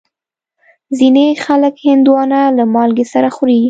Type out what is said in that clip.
ځینې خلک هندوانه له مالګې سره خوري.